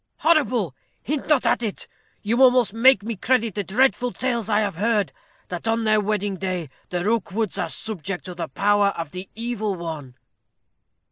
"Horrible! hint not at it. You almost make me credit the dreadful tales I have heard, that on their wedding day the Rookwoods are subject to the power of the 'Evil One.'"